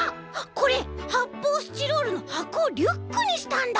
これはっぽうスチロールのはこをリュックにしたんだ！